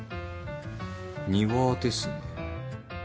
庭ですね。